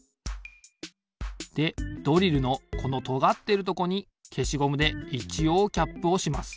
でドリルのこのとがってるとこにけしゴムでいちおうキャップをします。